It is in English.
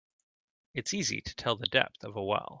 It's easy to tell the depth of a well.